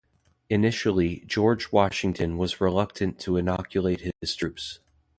Initially, George Washington was reluctant to inoculate his troops.